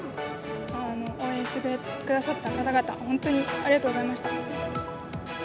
応援してくださった方々、本当にありがとうございました。